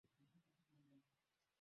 Chupa ile ni ya maziwa.